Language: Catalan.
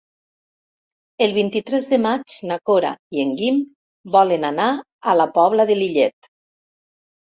El vint-i-tres de maig na Cora i en Guim volen anar a la Pobla de Lillet.